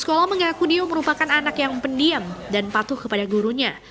sekolah mengaku dio merupakan anak yang pendiam dan patuh kepada gurunya